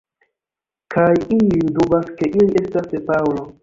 Kaj iuj dubas ke ili estas de Paŭlo.